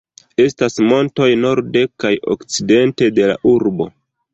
Estas montoj norde kaj okcidente de la urbo.